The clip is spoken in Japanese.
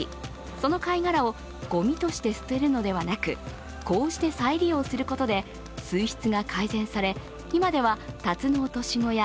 その貝殻をごみとして捨てるのではなく、こうして再利用することで水質が改善され、今ではタツノオトシゴや